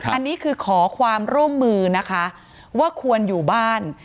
อันนี้คือขอความร่วมมือนะคะว่าควรอยู่บ้าน